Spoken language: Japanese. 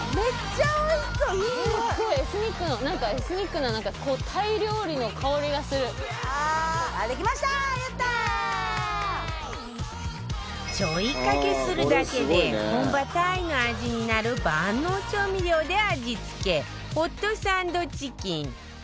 ちょいかけするだけで本場タイの味になる万能調味料で味付けホットサンドチキン